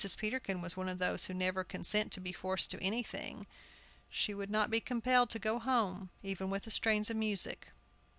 Peterkin was one of those who never consent to be forced to anything. She would not be compelled to go home, even with strains of music.